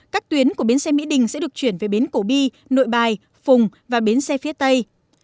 các tuyến của bến xe mỹ đình sẽ được chuyển về bến cổ bi nội bài phùng và bến xe phía tây